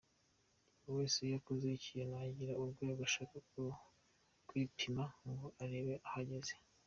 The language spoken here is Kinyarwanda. Buri wese iyo akoze ikintu agira urwego ashaka kwipima ngo arebe aho ageze.